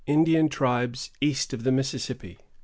——INDIAN TRIBES EAST OF THE MISSISSIPPI.